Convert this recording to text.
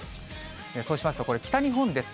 そうしますと、これ、北日本です。